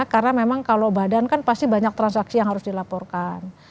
karena memang kalau badan kan pasti banyak transaksi yang harus dilaporkan